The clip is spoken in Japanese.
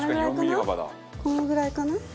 このぐらいかな？